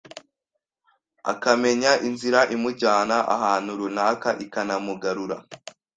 akamenya inzira imujyana ahantu runaka ikanamugarura.